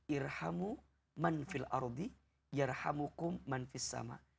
irhamu manfil ardi irhamukum manfissama